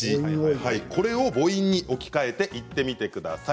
これを母音に置き換えて言ってみてください。